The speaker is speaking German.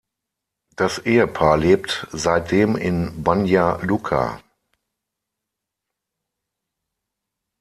Das Ehepaar lebt seitdem in Banja Luka.